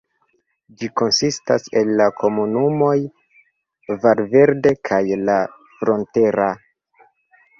Ĝi konsistas el la komunumoj Valverde kaj "La Frontera".